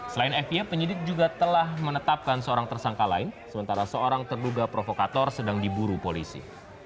selain f y penyidik juga telah menetapkan seorang tersangka lain sementara seorang terduga provokator sedang diburu polisi